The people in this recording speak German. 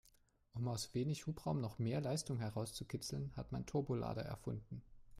Um aus wenig Hubraum noch mehr Leistung herauszukitzeln, hat man Turbolader erfunden.